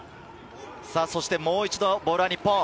そしてもう一度、ボールは日本。